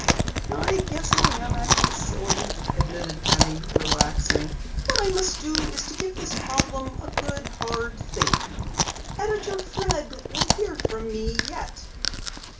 "I guess I am acting silly," admitted Penny, relaxing. "What I must do is to give this problem a good, hard think. Editor Fred will hear from me yet!"